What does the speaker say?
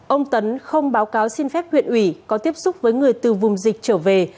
ông tấn không báo cáo xin phép huyện ủy có tiếp xúc với người từ vùng dịch trở về